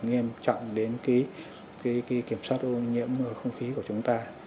nhiệm trọng đến cái kiểm soát ô nhiễm không khí của chúng ta